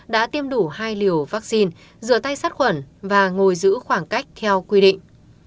đã tiêm đủ hai liều vaccine rửa tay sát khuẩn và ngồi giữ khoảng cách theo quy định